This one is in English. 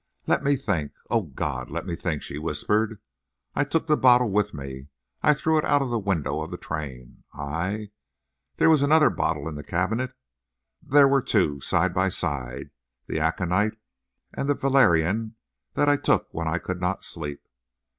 "Let me think—O God!—let me think," she whispered. "I took the bottle with me ... I threw it out of the window of the train ... I— ... there was another bottle in the cabinet ... there were two, side by side—the aconite—and the valerian that I took when I could not sleep